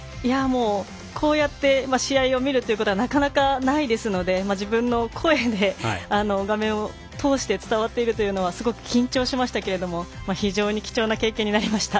こうやって試合を見るということはなかなかないですので自分の声で画面を通して伝わっているというのはすごく緊張しましたけれども非常に貴重な経験になりました。